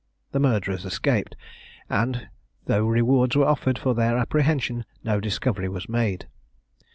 The murderers escaped; and, though rewards were offered for their apprehension, no discovery was made.